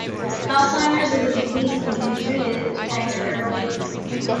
Alzheimer's is a disease that can be treated if detected early.